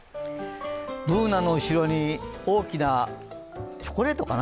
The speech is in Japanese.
Ｂｏｏｎａの後ろに大きなチョコレートかな？